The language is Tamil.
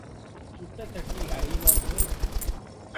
சுட்ட சட்டி அறியுமா சுவை?